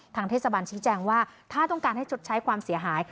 เทศบาลชี้แจงว่าถ้าต้องการให้ชดใช้ความเสียหาย